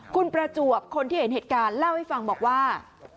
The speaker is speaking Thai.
คุณประจวบคนที่เห็นเหตุการณ์เล่าให้ฟังบอกว่า